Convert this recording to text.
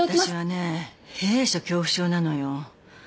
私はね閉所恐怖症なのよ。